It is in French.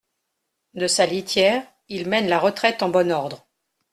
De sa litière, il mène la retraite en bon ordre.